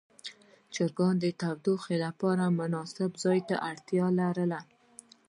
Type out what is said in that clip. چرګان د تودوخې لپاره مناسب ځای ته اړتیا لري.